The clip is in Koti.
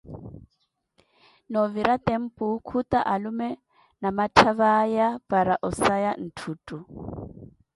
Novira tempu, khuta alume namatthavi awa para osaya ntthuttu.